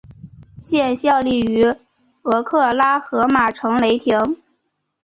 现效力于俄克拉何马城雷霆。